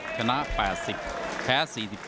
ชนะ๘๐แพ้๔๗